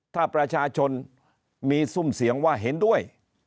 ถ้าประชาชนมีซุ่มเสียงว่าเห็นด้วย